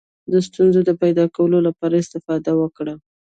د ستونزو د پیدا کولو لپاره استفاده وکړه.